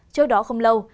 trước đó không lâu